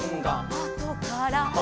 「あとから」